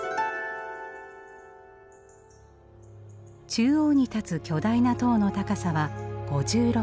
中央に立つ巨大な塔の高さは５６メートル。